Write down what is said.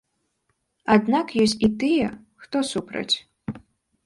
Аднак ёсць і тыя, хто супраць.